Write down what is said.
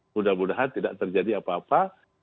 mudah mudahan tidak terjadi apa apa